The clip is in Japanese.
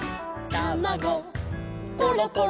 「たまごころころ」